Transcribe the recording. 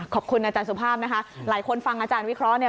ขอบคุณอาจารย์สุภาพนะคะหลายคนฟังอาจารย์วิเคราะห์เนี่ย